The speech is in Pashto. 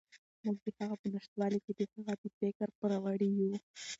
موږ د هغه په نشتوالي کې د هغه د فکر پوروړي یو.